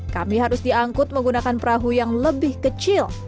kami harus diangkut menggunakan perahu yang lebih kecil